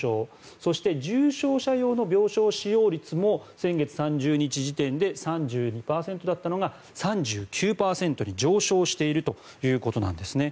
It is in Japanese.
そして重症者用の病床使用率も先月３０日時点で３２％だったのが３９％に上昇しているということです。